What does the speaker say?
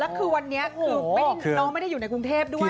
แล้วคือวันนี้คือน้องไม่ได้อยู่ในกรุงเทพด้วย